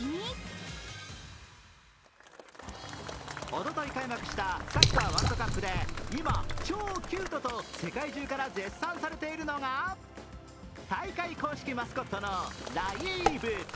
おととい開幕したサッカーワールドカップで、今、超キュートと世界中から絶賛されているのが、大会公式マスコットのライーブ。